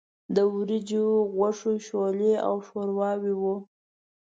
د وریجو، غوښو، شولې او ښورواوې وو.